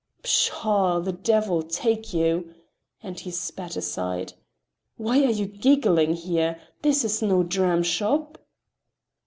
"Pshaw! The devil take you!" and he spat aside. "Why are you giggling here? This is no dramshop!"